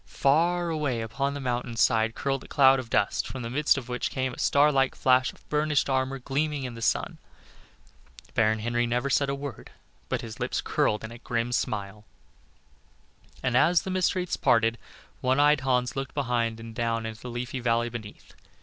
Far away upon the mountain side curled a cloud of dust, from the midst of which came the star like flash of burnished armor gleaming in the sun. Baron Henry said never a word, but his lips curled in a grim smile. And as the mist wreaths parted One eyed Hans looked behind and down into the leafy valley beneath.